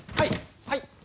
はい！